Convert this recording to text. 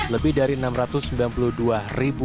lebih dari enam ratus sembilan puluh dua ribu